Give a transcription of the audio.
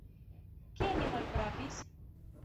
Kie ni malpravis?